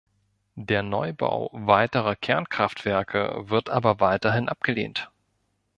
Der Neubau weiterer Kernkraftwerke wird aber weiterhin abgelehnt.